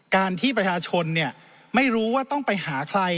การที่ประชาชนไม่รู้ว่าต้องไปหาใคร